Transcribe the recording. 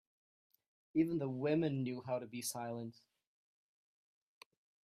Even the women knew how to be silent.